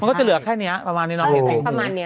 มันก็จะเหลือแค่นี้ประมาณนี้น้องกิน